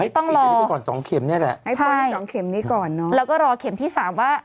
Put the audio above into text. ต้องรอใช่แล้วก็รอเข็มที่๓ว่า